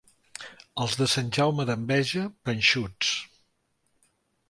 Els de Sant Jaume d'Enveja, panxuts.